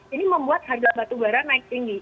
ini membuat harga batubara naik tinggi